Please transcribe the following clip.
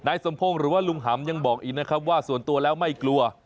สมพงศ์หรือว่าลุงหำยังบอกอีกนะครับว่าส่วนตัวแล้วไม่กลัว